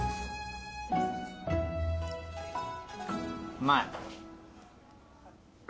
・うまい？